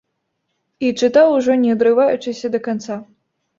І чытаў ужо, не адрываючыся, да канца.